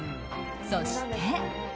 そして。